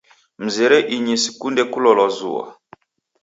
Mzere inyi sikunde kulolwa zua.